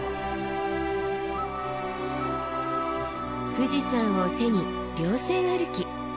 富士山を背に稜線歩き。